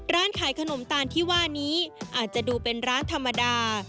ร้านขายขนมตาลที่ว่านี้อาจจะดูเป็นร้านธรรมดา